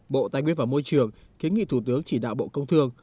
bộ tài nguyên và môi trường kiến nghị thủ tướng chỉ đạo bộ công thương